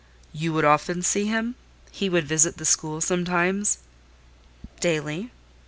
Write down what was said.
"You would often see him? He would visit the school sometimes?" "Daily."